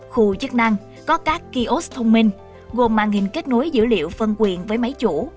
khu chức năng có các kiosk thông minh gồm màn hình kết nối dữ liệu phân quyền với máy chủ